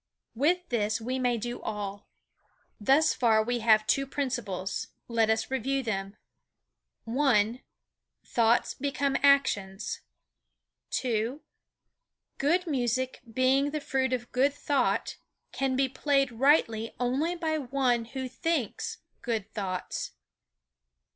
With this we may do all. Thus far we have two principles. Let us review them: I. Thoughts become actions. II. Good music being the fruit of good thought can be played rightly only by one who thinks good thoughts.